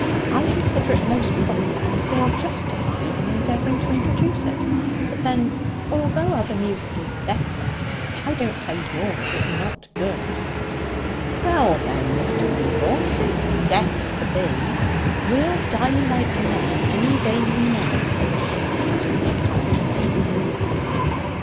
I consider it most proper, and feel justified in endeavouring to introduce it; but then, although other music is better, I don't say yours is not good." "Well then, Mr. Mayble, since death's to be, we'll die like men any day you name (excusing my common way)."